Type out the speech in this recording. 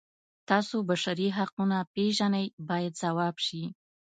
تاسو بشري حقونه پیژنئ باید ځواب شي.